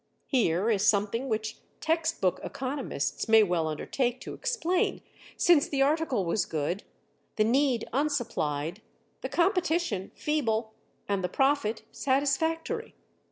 Here is something which textbook economists may well undertake to explain, since the article was good, the need unsupplied, the competition feeble, and the profit satisfactory.